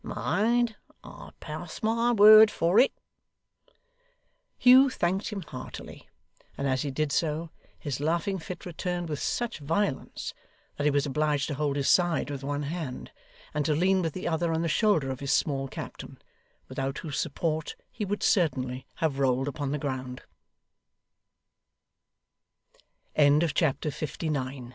Mind. I pass my word for it.' Hugh thanked him heartily; and as he did so, his laughing fit returned with such violence that he was obliged to hold his side with one hand, and to lean with the other on the shoulder of his small captain, without whose support he would certainly have rolled up